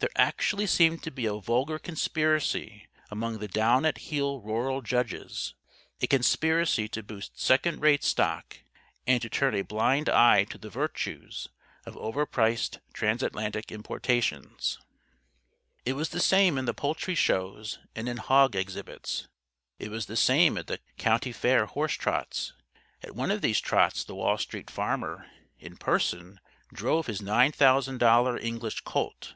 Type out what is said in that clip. There actually seemed to be a vulgar conspiracy among the down at heel rural judges a conspiracy to boost second rate stock and to turn a blind eye to the virtues of overpriced transatlantic importations. It was the same in the poultry shows and in hog exhibits. It was the same at the County Fair horse trots. At one of these trots the Wall Street Farmer, in person, drove his $9000 English colt.